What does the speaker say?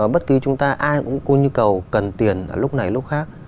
bất cứ chúng ta ai cũng có nhu cầu cần tiền lúc này lúc khác